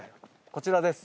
こちらです。